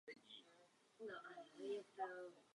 Západní břeh Jordánu totiž zahrnuje i východní Jeruzalém.